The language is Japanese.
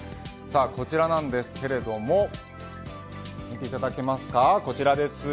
こちらなんですが見ていただけますかこちらです。